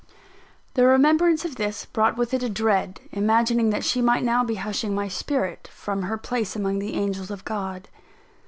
The remembrance of this brought with it a dread imagining that she might now be hushing my spirit, from her place among the angels of God.